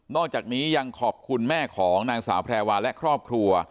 อกจากนี้ยังขอบคุณแม่ของนางสาวแพรวาและครอบครัว